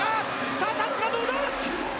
さあ、タッチはどうだ？